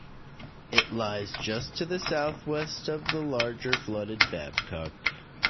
It lies just to the southwest of the larger, flooded Babcock.